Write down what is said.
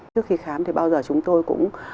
trước khi khám thì bao giờ chúng tôi cũng